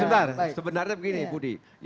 sebentar sebenarnya begini budi